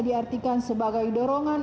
diartikan sebagai dorongan